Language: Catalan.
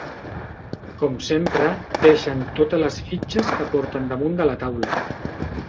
Com sempre, deixen totes les fitxes que porten damunt de la taula.